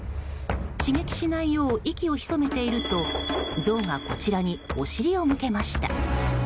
刺激しないよう息をひそめているとゾウがこちらにお尻を向けました。